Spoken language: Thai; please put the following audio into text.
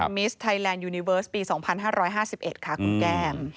มิสไทยแลนดยูนิเวิร์สปี๒๕๕๑ค่ะคุณแก้ม